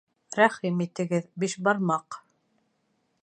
Рәхим итегеҙ, бишбармаҡ